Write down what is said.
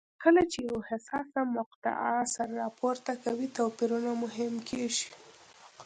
کله چې یوه حساسه مقطعه سر راپورته کوي توپیرونه مهم کېږي.